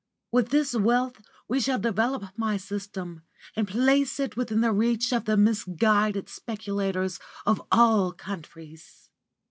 With this wealth we shall develop my system, and place it within the reach of the misguided speculators of all countries."